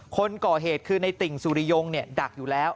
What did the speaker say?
คนก่อเหตุคือในติ่งสุริยงดักอยู่แล้ว